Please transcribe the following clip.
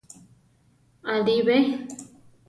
Aʼlí be?